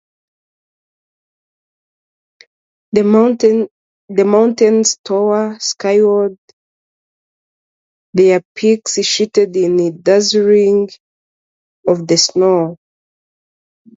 The mountains tower skyward, their peaks sheeted in a dazzling pall of snow.